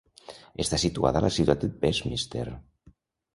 Està situada a la Ciutat de Westminster.